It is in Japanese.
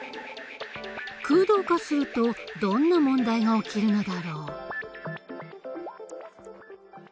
空洞化するとどんな問題が起きるのだろう？